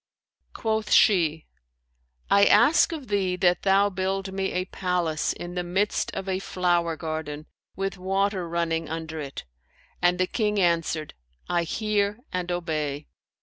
Quoth she, 'I ask of thee that thou build me a palace in the midst of a flower garden, with water running under it.' And the King answered, 'I hear and obey.'